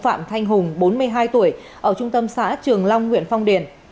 anh hùng bốn mươi hai tuổi ở trung tâm xã trường long huyện phong điền